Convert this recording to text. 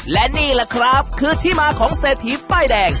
และนี่แหละครับคือที่มาของเศรษฐีป้ายแดง